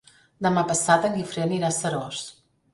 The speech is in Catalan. Demà passat en Guifré anirà a Seròs.